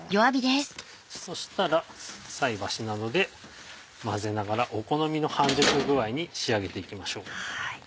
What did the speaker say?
そしたら菜箸などで混ぜながらお好みの半熟具合に仕上げていきましょう。